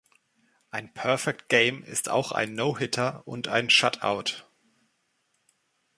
Ein Perfect Game ist auch ein No-Hitter und ein Shutout.